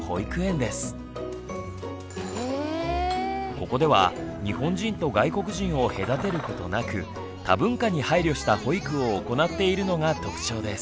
ここでは日本人と外国人を隔てることなく多文化に配慮した保育を行っているのが特徴です。